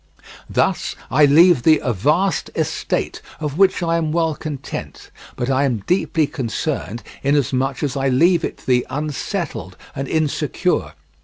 Thus I leave thee a vast estate, of which I am well content, but I am deeply concerned, inasmuch as I leave it thee unsettled and insecure.